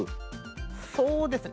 そうですね